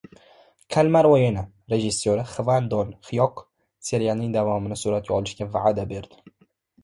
“Kalmar o‘yini” rejissori Xvan Don-Xyok serialning davomini suratga olishga va’da berdi